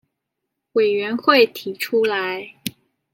委員會提出來